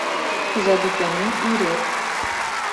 Хужабикәнең ире.